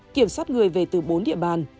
kiểm soát người về từ bốn địa bàn